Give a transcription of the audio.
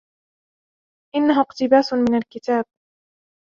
إنهُ أقتباس من الكتاب.